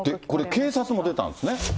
警察も出たんですよね。